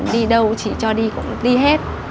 đi đâu chỉ cho đi cũng đi hết